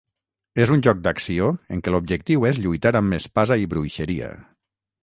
És un joc d'acció en què l'objectiu és lluitar amb espasa i bruixeria.